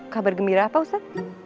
kabar gembira apa ustaz